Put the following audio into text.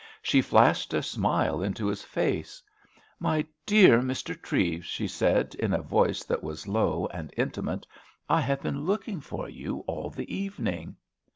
She flashed a smile into his face. "My dear Mr. Treves," she said, in a voice that was low and intimate, "I have been looking for you all the evening!"